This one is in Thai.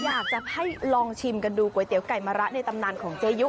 อยากจะให้ลองชิมกันดูก๋วยเตี๋ยไก่มะระในตำนานของเจยุ